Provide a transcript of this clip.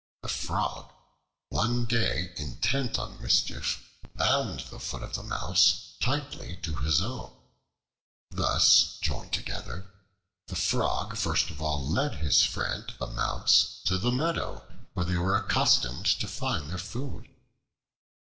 The Frog, one day intent on mischief, bound the foot of the Mouse tightly to his own. Thus joined together, the Frog first of all led his friend the Mouse to the meadow where they were accustomed to find their food.